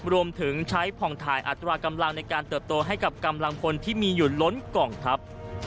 รวมถึงใช้ผ่องถ่ายอัตรากำลังในการเติบโตให้กับกำลังพลที่มีอยู่ล้นกล่องทัพ